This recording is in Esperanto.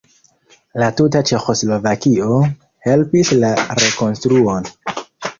La tuta Ĉeĥoslovakio helpis la rekonstruon.